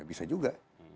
ya bisa juga